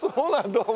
どうも。